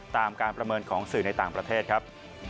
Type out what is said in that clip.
ตามการประเมินของสื่อในต่างประเทศครับ